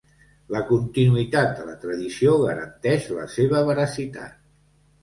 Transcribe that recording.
La continuïtat de la tradició garanteix la seva veracitat.